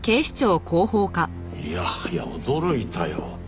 いやはや驚いたよ。